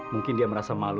mungkin dia merasa malu